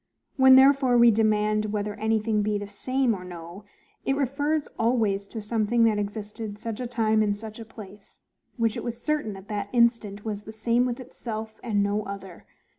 When therefore we demand whether anything be the SAME or no, it refers always to something that existed such a time in such a place, which it was certain, at that instant, was the same with itself, and no other.